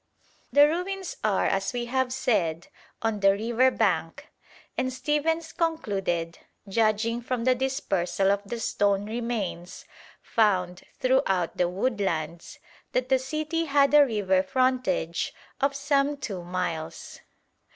The ruins are, as we have said, on the river bank, and Stephens concluded, judging from the dispersal of the stone remains found throughout the woodlands, that the city had a river frontage of some two miles.